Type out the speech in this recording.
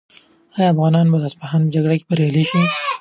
آیا افغانان به د اصفهان په جګړه کې بریالي شي؟